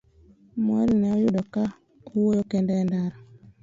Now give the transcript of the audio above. Mwari ne oyudo ka owuoyo kende e ndara.